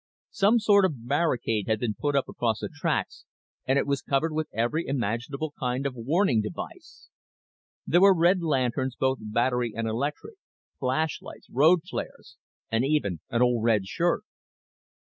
Some sort of barricade had been put up across the tracks and it was covered with every imaginable kind of warning device. There were red lanterns, both battery and electric; flashlights; road flares; and even an old red shirt.